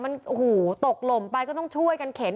มันโอ้โหตกหล่มไปก็ต้องช่วยกันเข็น